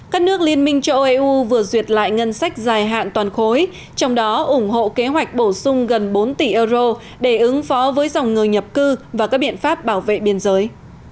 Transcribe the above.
các nước liên minh châu âu eu vừa duyệt lại ngân sách dài hạn toàn khối trong đó ủng hộ kế hoạch bổ sung gần bốn tỷ euro để ứng phó với dòng người nhập cư và các biện pháp bảo vệ biên giới